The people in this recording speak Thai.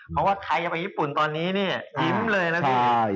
เพราะว่าไทยจะไปญี่ปุ่นตอนนี้เนี่ยยิ้มเลยนะพี่